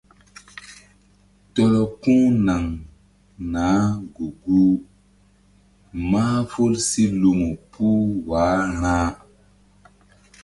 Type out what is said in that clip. Tɔlɔ ku̧ naŋ naah gu-guh mahful si lumu puh wah ra̧.